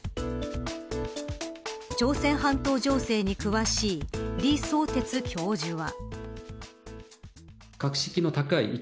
朝鮮半島情勢に詳しい李相哲教授は。